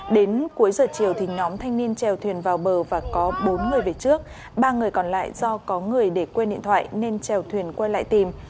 đến cuối giờ chiều nhóm thanh niên trèo thuyền vào bờ và có bốn người về trước ba người còn lại do có người để quên điện thoại nên trèo thuyền quay lại tìm